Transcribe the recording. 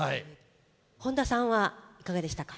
本田さんはいかがでしたか？